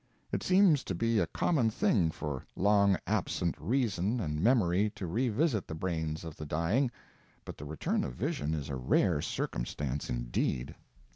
It seems to be a common thing for long absent reason and memory to revisit the brains of the dying, but the return of vision is a rare circumstance indeed.